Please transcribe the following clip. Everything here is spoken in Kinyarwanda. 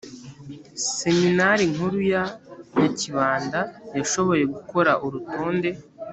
seminari nkuru ya nyakibanda yashoboye gukora urutonde